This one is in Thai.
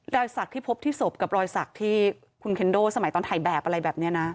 รอยสักที่พบที่ศพกับรอยสักที่คุณเคนโดสมัยตอนถ่ายแบบอะไรแบบนี้นะ